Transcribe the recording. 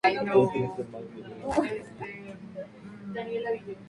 Su muerte tampoco fue escrita en las crónicas oficiales.